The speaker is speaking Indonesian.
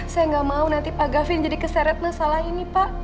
saya nggak mau nanti pak gavin jadi keseret masalah ini pak